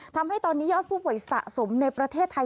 ทำให้ตอนนี้ยอดผู้ป่วยสะสมในประเทศไทย